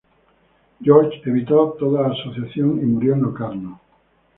George evitó toda asociación, y murió en Locarno.